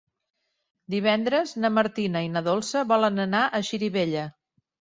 Divendres na Martina i na Dolça volen anar a Xirivella.